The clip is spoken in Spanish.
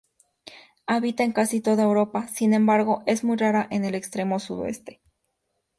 Habita en casi toda Europa, sin embargo es muy rara en el extremo sudoeste.